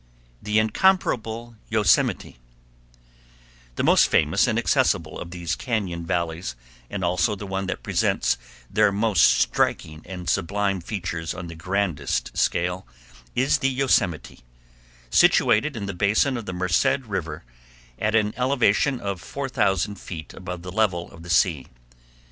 The Incomparable Yosemite The most famous and accessible of these cañon valleys, and also the one that presents their most striking and sublime features on the grandest scale, is the Yosemite, situated in the basin of the Merced River at an elevation of 4000 feet above the level of the sea.